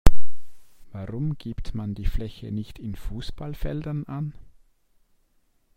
Warum gibt man die Fläche nicht in Fußballfeldern an?